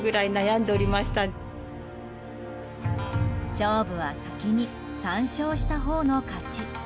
勝負は先に３勝したほうの勝ち。